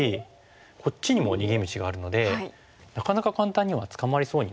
こっちにも逃げ道があるのでなかなか簡単には捕まりそうにないですよね。